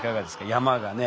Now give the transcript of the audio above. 「山」がね。